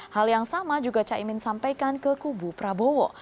hal yang sama juga caimin sampaikan ke kubu prabowo